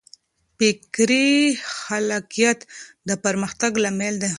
فکري خلاقیت د پرمختګ لامل دی.